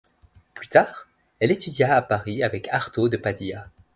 Plus tard, elle étudiât à Paris avec Artot de Padilla.